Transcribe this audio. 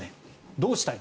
どうしたい？